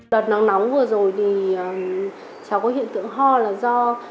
đợt nắng nóng vừa rồi thì cháu có hiện tượng ho là do